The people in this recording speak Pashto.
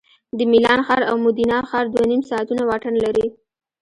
د میلان ښار او مودینا ښار دوه نیم ساعتونه واټن لري